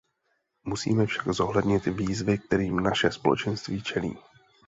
Musíme však zohlednit výzvy, kterým naše Společenství čelí.